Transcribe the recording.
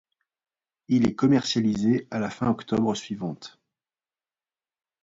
Il est commercialisé à la fin-octobre suivante.